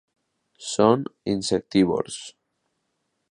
Són insectívors.